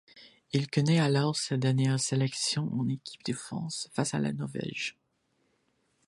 Il connaît alors sa dernière sélection en équipe de France face à la Norvège.